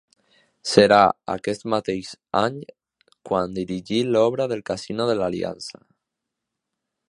Serà aquest mateix any quan dirigí l'obra del Casino de l'Aliança.